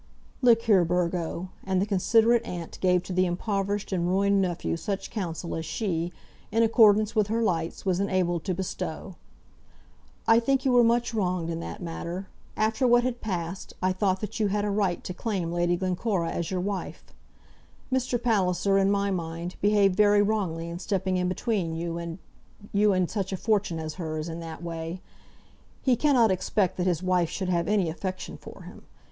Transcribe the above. "Look here, Burgo," and the considerate aunt gave to the impoverished and ruined nephew such counsel as she, in accordance with her lights, was enabled to bestow. "I think you were much wronged in that matter. After what had passed I thought that you had a right to claim Lady Glencora as your wife. Mr. Palliser, in my mind, behaved very wrongly in stepping in between you and you and such a fortune as hers, in that way. He cannot expect that his wife should have any affection for him.